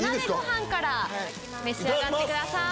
召し上がってください。